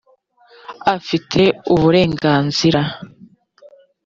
afite uburenganzira.